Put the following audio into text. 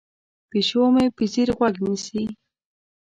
پیشو مې په ځیر غوږ نیسي.